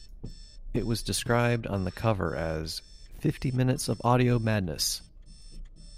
It was described on the cover as "fifty minutes of audio madness".